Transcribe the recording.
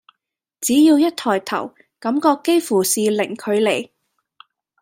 只要一抬頭，感覺幾乎是零距離